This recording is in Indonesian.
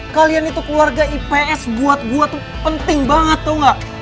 kalian itu keluarga ips buat gue tuh penting banget tuh gak